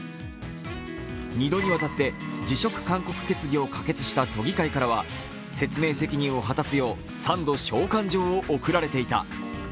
２度にわたって辞職勧告決議を可決した都議会からは説明責任を果たすよう３度召喚状を送られていた。